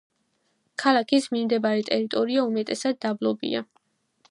ქალაქის მიმდებარე ტერიტორია უმეტესად დაბლობია.